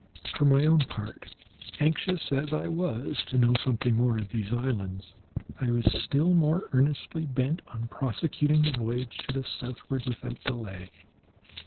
For my own part, anxious as I was to know something more of these islands, I was still more earnestly bent on prosecuting the voyage to the southward without delay.